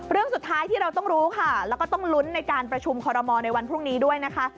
เรื่องสุดท้ายที่เราต้องรู้ค่ะแล้วก็ต้องลุ้นในการประชุมคอรมอลในวันพรุ่งนี้ด้วยนะคะ